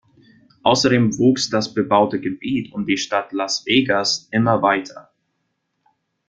Außerdem wuchs das bebaute Gebiet um die Stadt Las Vegas immer weiter.